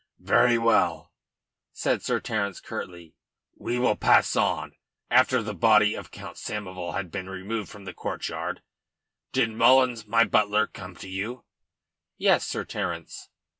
"Very well," said Sir Terence curtly. "We will pass on. After the body of Count Samoval had been removed from the courtyard, did Mullins, my butler, come to you?" "Yes, Sir Terence."